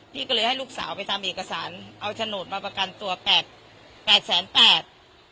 พี่ก็เลยให้ลูกสาวไปทำเอกสารเอาโฉนดมาประกันตัวแปดแปดแสนแปด